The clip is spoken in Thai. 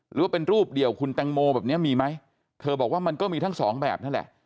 หรือว่าเป็นรูปเดียวคุณแตงโมแบบนี้มีไหมเธอบอกว่ามันก็มีทั้งสองแบบนั่นแหละ